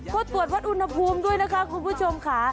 ก็ตรวจวัดอุณหภูมิด้วยนะคะคุณผู้ชมค่ะ